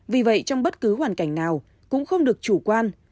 vì vậy trong bất cứ hoàn cảnh nào cũng không được chủ quan